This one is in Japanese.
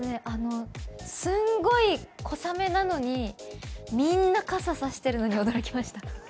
すごい小雨なのにみんな傘を差してるのに驚きました。